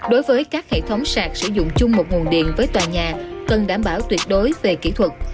đối với các hệ thống sạc sử dụng chung một nguồn điện với tòa nhà cần đảm bảo tuyệt đối về kỹ thuật